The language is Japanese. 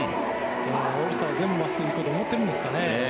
オールスターは全部真っすぐで行こうと思ってるんですかね。